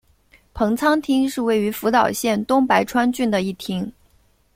棚仓町是位于福岛县东白川郡的一町。